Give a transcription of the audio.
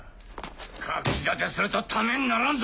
隠し立てするとためにならんぞ！